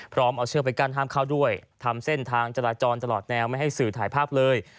เอาเชือกไปกั้นห้ามเข้าด้วยทำเส้นทางจราจรตลอดแนวไม่ให้สื่อถ่ายภาพเลย